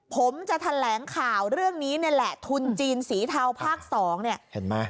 ผมจะแถลงข่าวเรื่องนี้นี่แหละทุนจีนสีเทาภาคสองเนี่ยเห็นไหม